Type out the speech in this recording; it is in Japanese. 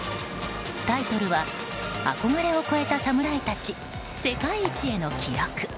タイトルは「憧れを超えた侍たち世界一への記録」。